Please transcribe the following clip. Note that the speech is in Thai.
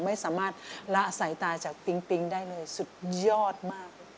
ไม่สามารถละสายตาจากปิ๊งปิ๊งได้เลยสุดยอดมาก